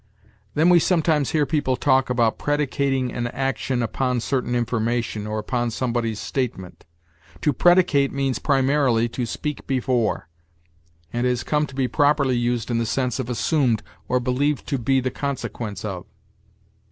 Then we sometimes hear people talk about predicating an action upon certain information or upon somebody's statement. To predicate means primarily to speak before, and has come to be properly used in the sense of assumed or believed to be the consequence of.